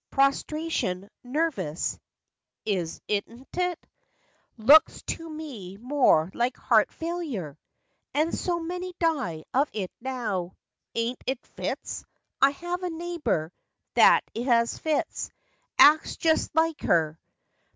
Prostration, nervous, is n't it ? Looks to me more like heart failure! And so many die of it now! Aint it fits ? I have a neighbor That has fits; acts just like her?